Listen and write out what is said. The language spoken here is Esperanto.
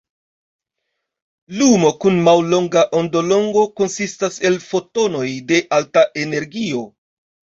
Lumo kun mallonga ondolongo konsistas el fotonoj de alta energio.